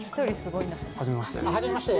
はじめまして。